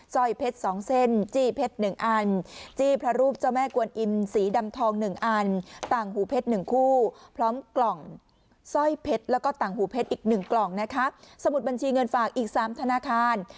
ร้อยเพชรสองเส้นจี้เพชรหนึ่งอันจี้พระรูปเจ้าแม่กวนอิมสีดำทองหนึ่งอันต่างหูเพชรหนึ่งคู่พร้อมกล่องสร้อยเพชรแล้วก็ต่างหูเพชรอีกหนึ่งกล่องนะคะสมุดบัญชีเงินฝากอีกสามธนาคาร